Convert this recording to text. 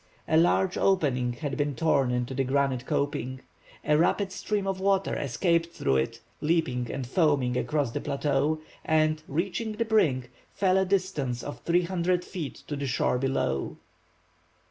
A large opening had been torn in the granite coping. A rapid stream of water escaped through it, leaping and foaming across the plateau, and, reaching the brink, fell a distance of 300 feet to the shore below.